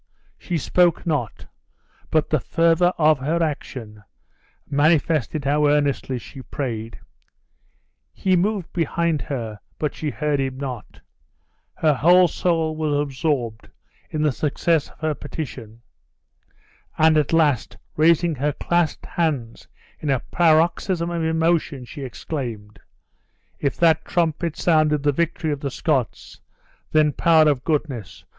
She spoke not, but the fervor of her action manifested how earnestly she prayed. He moved behind her, but she heard him not; her whole soul was absorbed in the success of her petition; and at last raising her clasped hands in a paroxysm of emotion, she exclaimed, "If that trumpet sounded the victory of the Scots, then, Power of Goodness!